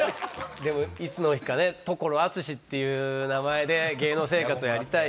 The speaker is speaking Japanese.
でもいつの日か。っていう名前で芸能生活をやりたいですけどね。